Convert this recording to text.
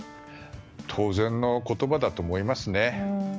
当然の言葉だと思いますね。